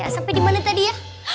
sampai di mana tadi ya